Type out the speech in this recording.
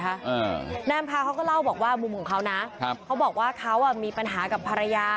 นายอำคาเขาก็เล่าบอกว่ามุมของเขานะเขาบอกว่าเขามีปัญหากับภรรยา